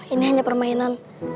ini hanya permainan